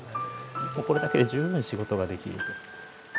もうこれだけで十分仕事ができる。